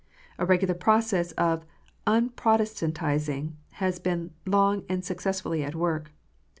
A regular process of unprotestantizing has been long and successfully at work.